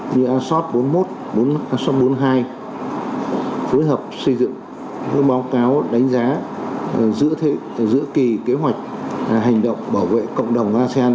như asos bốn mươi một asos bốn mươi hai phối hợp xây dựng báo cáo đánh giá giữa kỳ kế hoạch hành động bảo vệ cộng đồng asean